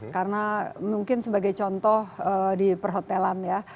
karena mungkin sebagai contoh di perhotelan ya